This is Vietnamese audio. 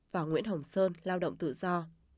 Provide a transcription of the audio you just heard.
và nguyễn hồng sơn lao động tự do